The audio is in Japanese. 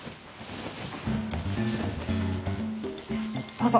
どうぞ。